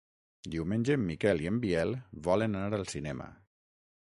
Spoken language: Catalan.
Diumenge en Miquel i en Biel volen anar al cinema.